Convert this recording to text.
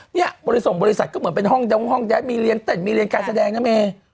เนี่ยบริส่งบริษัทก็เหมือนเป็นห้องแดดมีเรียนเต้นมีเรียนการแสดงนะเมย์